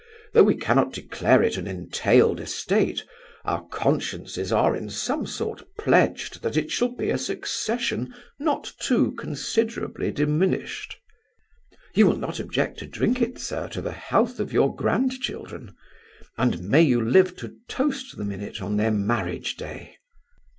Though we cannot declare it an entailed estate, our consciences are in some sort pledged that it shall be a succession not too considerably diminished." "You will not object to drink it, sir, to the health of your grandchildren. And may you live to toast them in it on their marriage day!"